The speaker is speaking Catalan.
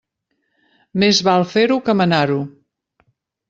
Més val fer-ho que manar-ho.